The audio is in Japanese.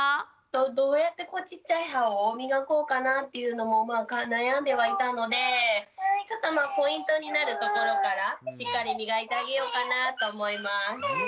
どうやってちっちゃい歯を磨こうかなっていうのも悩んではいたのでちょっとまあポイントになるところからしっかり磨いてあげようかなと思います。